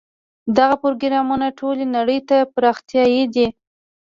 دغه پروګرامونه ټولې نړۍ ته پراختیايي دي.